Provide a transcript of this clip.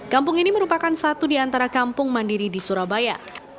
kampung ini merupakan satu di antara kampung mandiri di surabaya